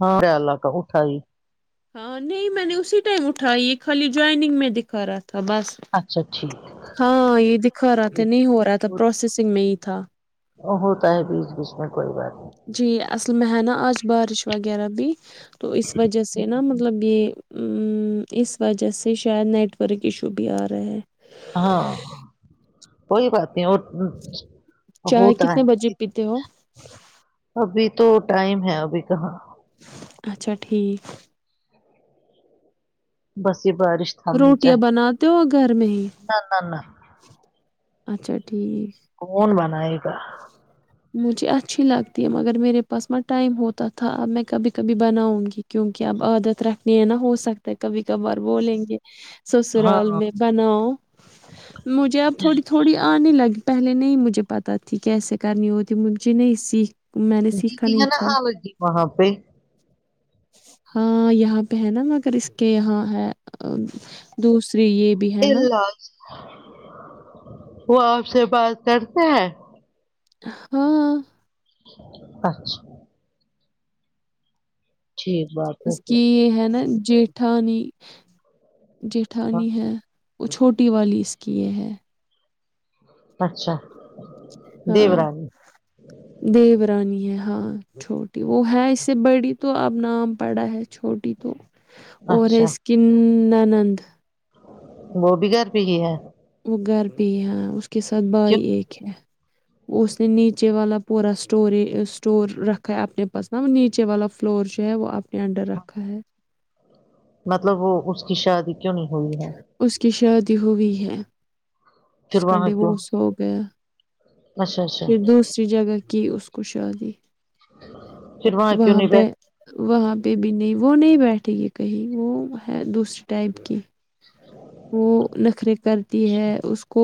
ہاں [unintelligible] ہاں نہیں میں نے اسی ٹائم اٹھائی یہ خالی جوائنگ میں دکھا رہا تھا بس اچھا ٹھیک ہاں یے دکھا رہا تھا نہیں ہو رہا تھا پروسیسنگ میں ہی تھا ہوتا ہے بیچ بیچ میں کوئی بات نہیں جی اصل میں ہے نا آج بارش وغیرہ بھی تو اس وجہ سے نا مطلب یے اس وجہ سے شاید نیٹ ورک ایشو بھی آ رہا ہے ہاں کوئی بات نہیں اور چائے ہوتا کتنے بجے ہے پیتے ہو ابھی تو ٹائم ہے ابھی کہاں اچھا ٹھیک بس یے بارش تھامنی روٹیاں چاہیے بناتے ہو گھر میں ہی نہ نہ نہ اچھا ٹھیک کون بنائے گا مجھے اچھی لگتی ہے مگر میرے پاس ما ٹائم ہوتا تھا اب میں کبھی کبھی بناؤں گی کیونکی اب عادت رکھنی ہے نا ہو سکتا ہے کبھی کبھار بولیں گے سسرال ہاں میں بناؤ مجھے اب تھوڑی تو تھوڑی آنے لگی پہلے نہیں مجھے پتہ تھی کیسے کرنی ہوتی مجھے نہیں سیکھ میں نے جی سیکھا جی نہیں ہے نا تھا الودگی وہاں پے ہاں یہاں پے ہے نا مگر اس کے یہاں ہے آ دوسری یے الا وہ آپ سے بات کرتے ہیں ہاں اچھا ٹھیک بات ہے اس کی پھر یے ہے نا جیٹ ٹھانی جٹھانی ہے وہ چھوٹی والی اس کی یے ہے اچھا ہاں دیورانی دیو رانی ہے ہاں چھوٹی وہ ہے اس سے بڑی تو اب نام پڑا ہے چھوٹی تو اور اچھا اس کی ننند وہ بھی گھر پے ہی ہے وہ گھر پے ہی ہے اس کے ساتھ کیوں بھائی ایک ہے وہ اس نے نیچے والا پورا اسٹور یے اسٹور رکھا ہے اپنے پاس نہ نیچے والا فلور جو ہے وہ اپنے انڈر رکھا ہے مطلب وہ اس کی شادی کیوں نہیں ہوئی ہے اس کی شادی ہوئی ہے اس پھر کا وہاں کیوں ڈیورس ہو گیا اچھا اچھا پھر دوسری جگہ کی اس کو شادی پھر کیوں وہاں نہیں پے بیٹھ وہاں پے بھی نہیں وہ نہیں بیٹھے گی کہیں وہ ہے دوسرے ٹائپ کی وہ نخرے کرتی ہے اس کو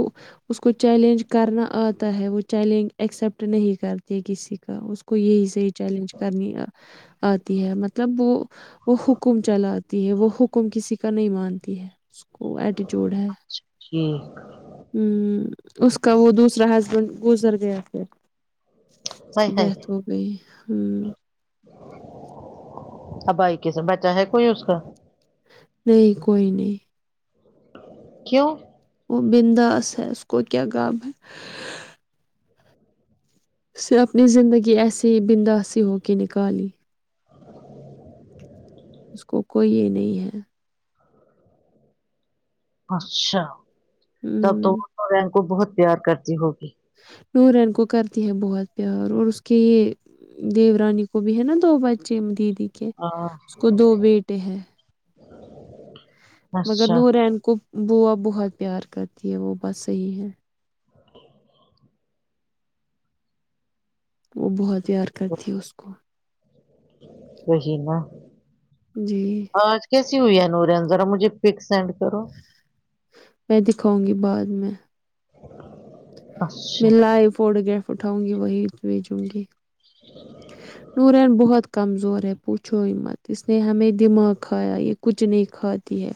اس کو چیلنج کرنا آتا ہے وہ چیلنج ایکسپٹ نہیں کرتی کسی کا کو یہی صحیح چیلنج کرنی آتی ہے مطلب وہ وہ حکم چلاتی ہے وہ حکم کسی کا نہیں مانتی ہے اس کو ایٹیٹیوڈ ہے ہمم اس کا وہ دوسرا ہسبینڈ گزر گیا پھر اس کی ڈیتھ ہو گئی ہمم اب بھائی کے سوا بچہ ہے کوئی اس کا نہیں کوئی نہیں کیوں وہ بنداس ہے اس کو کیا غم ہے اس سے اپنی زندگی ایسے ہی بنداسی ہو کے نکالی اس کو کوئی یہ نہیں ہے اچھا تب تو ہ وہ نو رین کو بہت پیار کرتی ہوگی نورین کو کرتی ہے بہت پیار اور اس کی یہ دیو رانی کو بھی ہے نا دو بچے دیدی کے ہاں اس کو دو بیٹے ہیں مگر اچھا نورین کو بوا بہت پیار کرتی ہے وہ بس صحیح ہے وہ بہت یار کرتی ہے اس کو وہی نا جی آج کیسی ہوئی ہے نورین زرا مجھے پک سینڈ کرو میں دکھاؤں گی بعد میں اچھا میں لائیو فوٹو گراف اٹھاؤں گی وہی بھیجوں گی نورین بہت کمزور ہے پوچھو ہی مت اس نے ہمیں دماغ کھایا یہ کچھ نہیں کھاتی ہے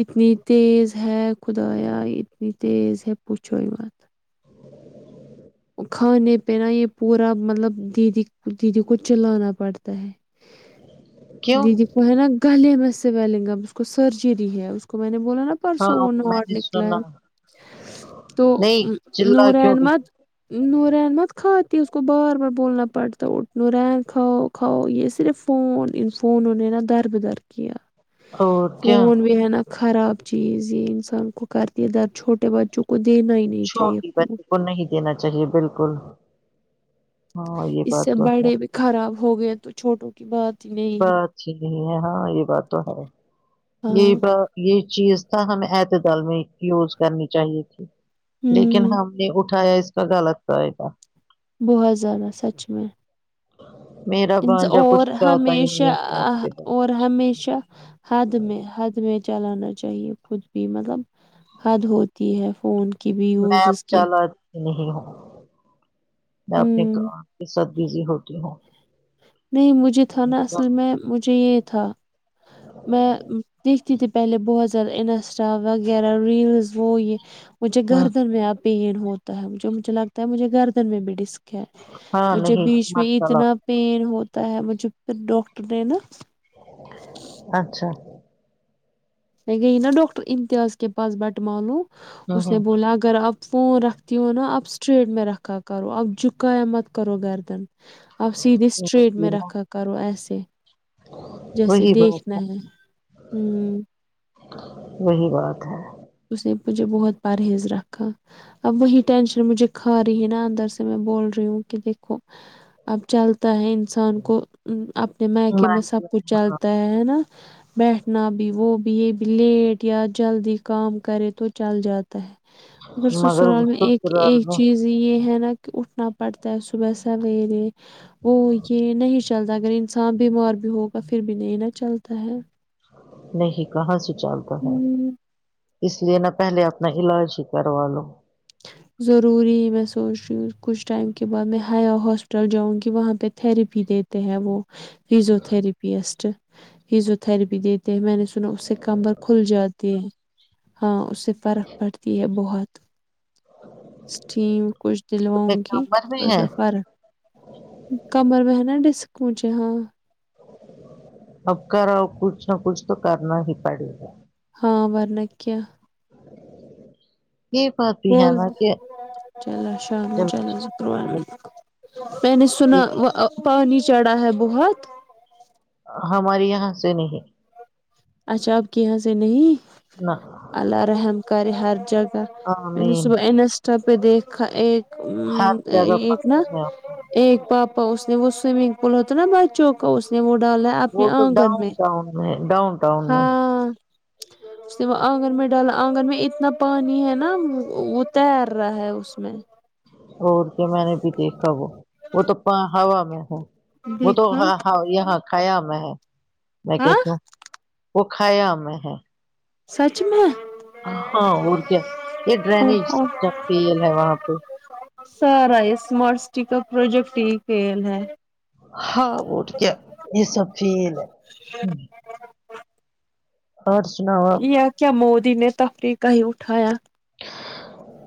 اتنی تیز ہے خدایا اتنی تیز ہے پوچھوئی مت کھانے پینا یہ پورا مطلب دیدی دیدی کو چلانا پڑتا ہے کیوں دی دی وہ نا گلے میں سویلنگ اب اس کو سرجری ہے اس کو میں نے بولا نا پرسو ہاں وہ میں نوار نے نکلا سنا ہے تو نہیں چلا نور کیوں رہی احمد نورین مت کھاتی اس کو بار بار بولنا پڑتا اٹھ نورین کھاؤ کھاو یہ صرف فون ان فون نے نا دربدر کی ہے امم اور کیا فون بھی ہے نا خراب چیز یہ انسان کو کرتی ا در چھوٹے بچوں کو دینا ہی نہیں سو چاہیے فیصد فون۔ بچے کو نہیں دینا چاہیے بالکل ہاں یہ اس سے بات تو ہے بڑے بھی خراب ہو گئے تو چھوٹوں کی بات ہی نہیں ہے بات ھی نہیں ہے ہاں یہ بات تو ہے یہ ہاں بات یہ چیز تھا ہمیں اعتدال میں یوز کرنی چاہیے تھی لیکن ہوں ہم نے وہ اٹھا یا اس کا غلط فایدہ بہت زیادہ سچ میں میرا ان بانجا کچھ اور کہتا ہی ہمیشہ نہیں ہے فون آہ پہ اور ہمیشہ حد میں حد میں چلانا چاہیے خود بھی مطلب حد ہوتی ہے فون کی بھی میں یوز اب اس کی چلاتی نہیں ہوں میں اپنے ہوں کام کے ساتھ بزی ہوتی ہوں امم مجھے تھا نا اصل میں مجھے یہ تھا ہ میں دیکھتی تھی پہلے بہت زیادہ انسٹا وغیرہ ریلز وہ یہ مجھے ہوں گردن میں آتے ہے ہوتا ہے جو مجھے لگتا ہے مجھے گردن میں بھی ڈسک ہے ہاں مجھے نہیں بیچ مت میں اتنا چلاؤ پین ہوتا ہے مجھے پھر ڈاکٹر نے نا اچھا میں گئی نا ڈاکٹر امتیاز کے پاس بٹ معلوم ہوں اس نے ہوں بولا اگر آپ فون رکھتی ہو نا آپ اسٹریٹ میں رکھا کرو آپ جھوکایا مت کرو گردن اب سیدھے اسٹریٹ وہی میں نا، رکھا کرو ایسے جیسے وہی بات دیکھنا ہے ہوں وہی بات ہے اس نے مجھے بہت پرہیز رکھا اب وہی ٹینشن مجھے کھا رہی ہے نا اندر سے میں بول رہی ہوں کہ دیکھو اب چلتا ہے انسان کو ا اپنے میکے میں سب کچھ چلتا ہے ہے نا بیٹھنا بھی وہ بھی یہ بھی لیٹ یا جلدی کام کرے تو چل جا مگر سسرال میں ایک سسرال ایک میں چیز یہ ہے نا کہ اٹھنا پڑتا ہے صبح سویرے وہ یہ نہیں چلتا اگر انسان بیمار بھی ہوگا پھر بھی نہیں نا چلتا ہے نہیں کہاں سے چلتا ہے ہوں، اس لیے نہ پہلے اپنا علاج ہی کروا لو ضروری میں سوچ رہی ہوں کچھ ٹائم کے بعد میں ہیا ہاسپٹل جاؤں گی وہاں پہ تھیراپی دیتے ہیں وہ فزیوتھراپیسٹ فزیوتھراپی دی تی میں نے سنا اس سے کمر کھل جاتے ہیں ہاں اس سے فرق پڑتی ہے بہت اسٹیم کچھ تم دلواؤں ایک گی نمبر میں تھوڑا ہے سا فرق کمر میں ہے نا ڈسک مجھے ہاں اب کراؤ کچھ نہ کچھ تو کرنا ہی پڑے گا ہاں ورنہ کیا [inaudible] یہ بات بھی ہے نا کہ چلو عشاء ہو چلو سکرں جب میں نے سنا پانی چڑھا ہے بہت ہماریے یہاں سے نہیں اچھا آپکے یہاں سے نہیں نہ اللہ رحم کرے ہر جگہ میں نے آمین صبح انسٹا پہ دیکھ ایک ہر ا جگہ ایک نا پانی ہے ایک پاپا اس نے وہ سوئمنگ پول ہوتا نا بچوں کا اس نے وہ ڈالا ہے اپنے وہ تو آنگن ڈاؤن میں ٹاؤن میں ڈاؤن ٹاؤن میں ہاں اس وہ آنگن میں ڈالا آنگن میں اتنا پانی ہے نا وہ تیر رہا ہے اس میں اور کیا میں نے بھی دیکھا وہ وہ تو پ ہوا میں ہے وہ تو دیکھا ہاں یہاں خیام میں ہے نمیں ہاں کہتی ہوں وہ خیام میں ہے سچ میں ہاں اور کیا یہ او ڈرینیج ہو سسٹم فیل ہے وہاں پہ سارا یہ اسمارٹ سٹی کا پروجیکٹ ہی فیل ہے ہاں اور کیا یہ سب فیل ہے اور سناؤ آپ یا کیا مودی نے تفریح کا ہی اٹھایا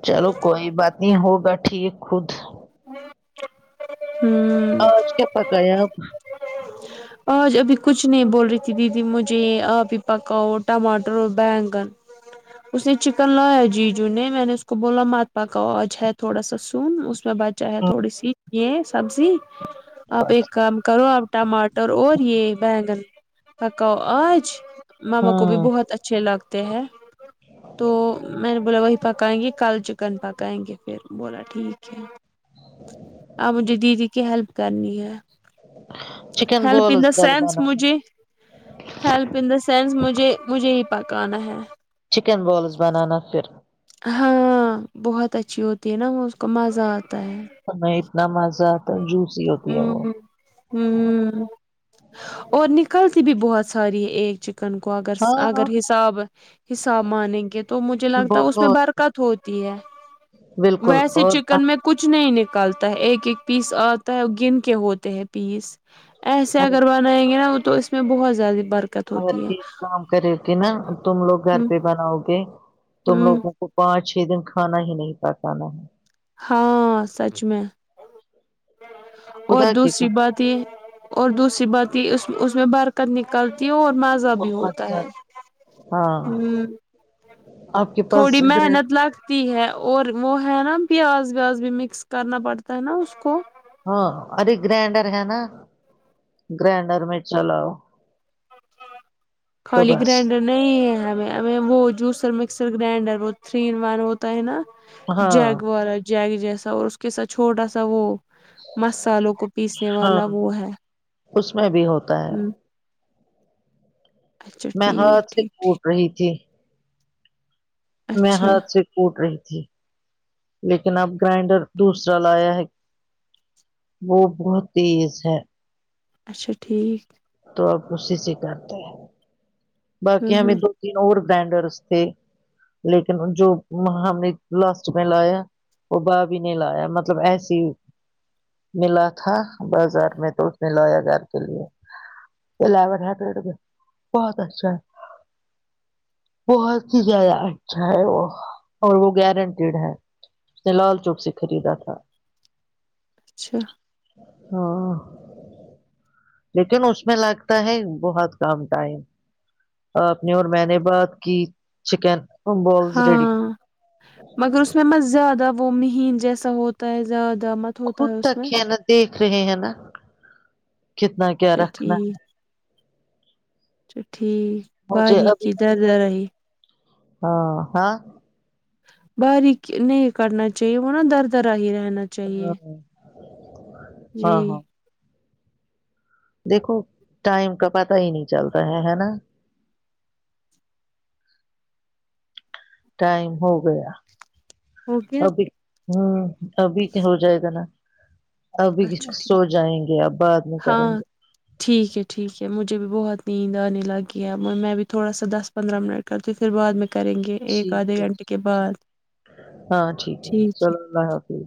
چلو کوئی بات نہیں ہوگا ٹھیک خود ہوں آج کیا پکایا آپ آج ابھی کچھ نہیں بول رہی تھی دیدی مجھے آپ ہی پکاؤ ٹماٹر ہو بینگن اس نے چکن لایا جیجو نے میں نے اس کو بولا مت پکا آج ہے تھوڑا سا سون اس میں ب چاہے تھوڑی سی یہ سبزی آپ ایک کام کرو آپ ٹماٹر اور یہ بینگن پکاؤ آج ماما کو بھی ہاں بہت اچھے لگتے ہیں تو میں نے بولا وہی پکائیں گے کل چکن پکائیں گے پھر بولا ٹھیک اب مجھے دیدی کی ہیلپ کرنی ہے اہ ہیلپ ان دا سینس مجھے ہیلپ ان دا سینس مجھے مجھے ہی پکانا ہے چکن بولز بنانا پھر ہاں بہت اچھی ہوتی ہے نا وہ اس کو مزہ آتا ہے تو اتنا مزہ تھا جوسی ہوتی ہے وہ ہمم اور نکلتی بھی بہت ساری ہے ایک چ کن کو اگر اگر ہاں حساب حساب مانے گے تو مجھے لگتا ہے اس میں بہت برکت ہوتی ہے بالکل ویسے اور آپ چکن میں کچھ نہیں نکلتا ہے ایک ایک پیس آتا ہے گن کے ہوتے ہیں پیس ایسے اگر بنائیں گے نا وہ تو اس میں بہت زیادہ بر اگر کام کرے کہ نا تم لوگ گھر ہ پہ بناؤ گے تم لوگ ہ کو پانچ چھ دن کھانا ہی نہیں پکانہ ہے ہاں سچ میں اور خدا کی دوسری قسم بات اور دوسری بات یہ اس میں اس میں برکت نکلتی ہے اور مزہ بھی بہت ہوتا ہے زیادہ ہاں ہمم آپ کے پاس تھوڑی گرینڈ محنت لگ تی ہے اور وہ ہے نا پیاز ویاز بھی مکس کرنا پڑتا ہے نا اس کو ہاں ارے گرائنڈر ہے نا گرائنڈر میں چلاؤ تو کھالی بس گرائنڈر نہیں ہے ہمیں ہمیں وہ جوسر مکسر گرائنڈر وہ تھری ون ہوتا ہے نا ہاں جگ والا جگ جیسا اور اس کے ساتھ چھوٹا سا وہ مسالوں کو پیسنے ہاں والا وہ ہے اس میں بھی ہوتا ہے ہ اچھا میں ہاتھ ٹھیک سے ٹھیک کوٹ رہی تھی میں اچھا ہاتھ سے کوٹ رہی تھی لیکن اب گرائنڈر دوسرا لایا ہے وہ بہت تیز ہے اچھا ٹھیک تو اپ اسی سے کرتے ہیں ہ باقی ہ ہمیں دو تین اور بینڈرس تھے لیکن جو ہم نے لاسٹ میں لایا وہ بھابی نے لایا مطلب ایسی ملا تھا بازار میں تو اس نے لایا گھر کے لیے [unintelligible] بہت اچھا بہت ہی زیادہ اچھا ہے وہ اور وہ گیارینٹی اس نے لال چوک سے خریدا تھا اچھا ہاں لیکن اس میں لگتا ہے بہت کم ٹائم آپ نے اور میں نے بات کی چکن بالز ریڈی ہاں مگر اس میں مت زیادہ وہ مہین جیسا ہوتا ہے زیادہ مت ہوتا خود اس تک میں ہے نا دیکھ رہے ہیں نا کتنا کیا اچھا رکھنا ٹھیک ہے اچھا ٹھیک مجھے ابھی باریکی در درا ہی ہاں ہاں باریک نہیں کرنا چاہیے وہ نا در درا ہی رہنا چاہیے ہاں جی ہاں ہاں دیکھو ٹائم کا پتا ہی نہیں چلتا ہے ہےنہ ٹائم ہو گیا ہو گیا ابھی ہوں ابھی کیا ہو جائے گا نا ابھی اچھا ٹھیک سو جائیں گے اب بعد میں کریں ہاں گے ٹھیک ہے ٹھیک ہے مجھے بھی بہت نیند آنے لگی ہے میں بھی تھوڑا سا دس پندرہ منٹ کرتے پھر بعد میں کریں گے ایک ٹھیک آدھے گھنٹے کے ہےھیک ہے بعد ہاں ٹھیک ہے چلو اللہ حافظ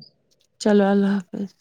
چلو اللہ حافظ